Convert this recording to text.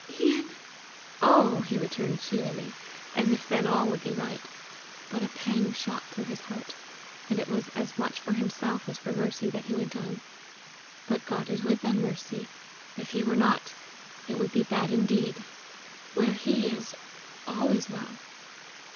"Ian." "Oh!" he returned cheerily, as if then all would be right. But a pang shot through his heart, and it was as much for himself as for Mercy that he went on: "But God is with them, Mercy. If he were not, it would be bad indeed! Where he is, all is well!"